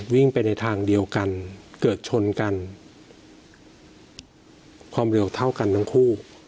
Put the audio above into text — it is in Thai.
วิ่งไปในทางเดียวกันเกิดชนกันความเร็วเท่ากันทั้งคู่